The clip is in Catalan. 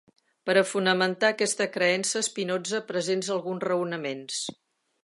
Per a fonamentar aquesta creença Spinoza presents alguns raonaments.